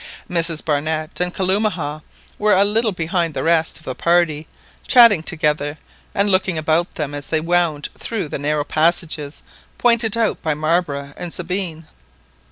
Mrs Barnett and Kalumah were a little behind the rest of the party chatting together, and looking about them as they wound through the narrow passages pointed out by Marbre and Sabine.